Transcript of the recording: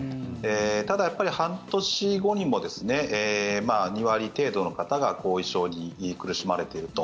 ただ、半年後にも２割程度の方が後遺症に苦しまれていると。